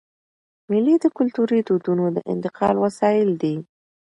مېلې د کلتوري دودونو د انتقال وسایل دي.